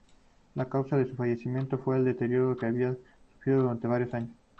La causa de su fallecimiento fue el deterioro que había sufrido durante varios años.